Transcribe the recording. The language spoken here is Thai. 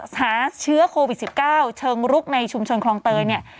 หาเชื้อโควิด๑๙เชิงรุกในชุมชนคลองเตยเนี่ย